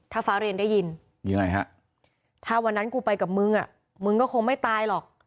ถ้าฟ้าเรียนได้ยินยังไงฮะถ้าวันนั้นกูไปกับมึงอ่ะมึงก็คงไม่ตายหรอก